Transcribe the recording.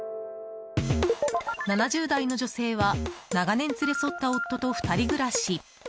７０代の女性は長年連れ添った夫と２人暮らし。